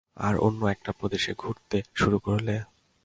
আর অন্য একটা প্রদেশে ঘুরতে শুরু করলে?